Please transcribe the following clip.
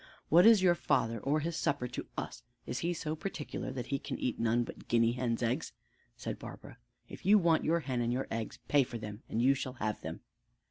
"What is your father or his supper to us; is he so particular that he can eat none but guinea hen's eggs?" said Barbara. "If you want your hen and your eggs, pay for them, and you shall have them."